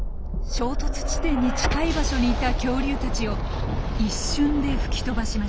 衝突地点に近い場所にいた恐竜たちを一瞬で吹き飛ばしました。